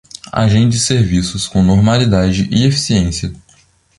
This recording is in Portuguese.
Agende serviços com normalidade e eficiência.